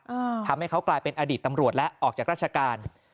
อ่าทำให้เขากลายเป็นอดีตตำรวจและออกจากราชการ